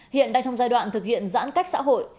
hiện đang trong giai đoạn thực hiện giãn cách xã hội